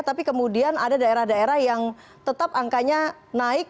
tapi kemudian ada daerah daerah yang tetap angkanya naik